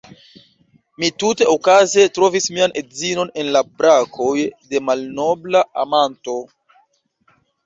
Mi tute okaze trovis mian edzinon en la brakoj de malnobla amanto!